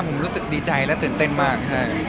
ผมรู้สึกดีใจและตื่นเต้นมาก